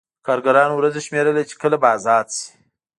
کارګرانو ورځې شمېرلې چې کله به ازاد شي